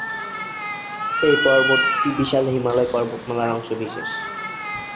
এই পর্বতটি বিশাল হিমালয় পর্বতমালার অংশ বিশেষ।